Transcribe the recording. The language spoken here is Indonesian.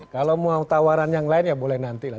kalau mau tawaran yang lain ya boleh nanti lah